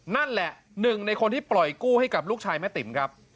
นั่นแหละหนึ่งในคนที่ปล่อยกู้ให้กับลูกชายแม่ติ๋มครับ